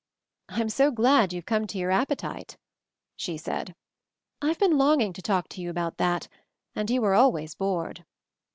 "I'm so glad you've come to your ap petite," she said. "I've been longing to talk to you about that, and you were always bored."